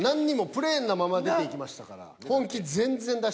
プレーンなまま出ていきましたから。